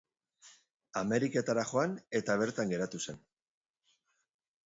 Ameriketara joan eta bertan geratu zen.